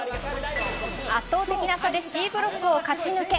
圧倒的な差でＣブロックを勝ち抜け。